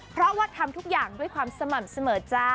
เพราะว่าทำทุกอย่างด้วยความสม่ำเสมอจ้า